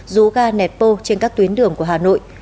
rú ga nẹt bô trên các tuyến đường của hà nội